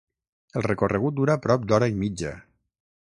El recorregut dura prop d'hora i mitja.